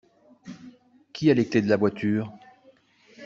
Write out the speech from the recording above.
Qui a les clés de la voiture?